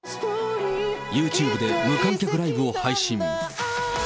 ユーチューブで無観客ライブを配信。